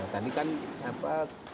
tadi kan apa